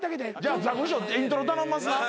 ザコシショウイントロ頼んますな。